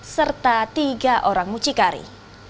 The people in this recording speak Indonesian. serta tiga orang mucikari